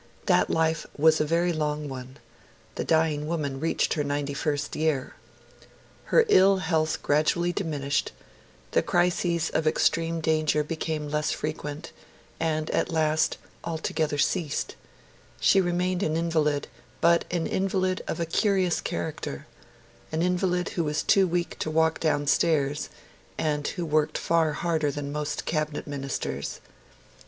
That life was a very long one; the dying woman reached her ninety first year. Her ill health gradually diminished; the crises of extreme danger became less frequent, and at last altogether ceased; she remained an invalid, but an invalid of a curious character an invalid who was too weak to walk downstairs and who worked far harder than most Cabinet Ministers.